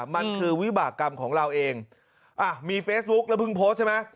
มันคือวิบากรรมของเราเองอ่ะมีเฟซบุ๊คแล้วเพิ่งโพสต์ใช่ไหม